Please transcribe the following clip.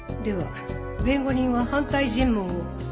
では弁護人は反対尋問を。